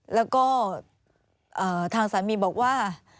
แล้วก็ทางสามีบอกว่า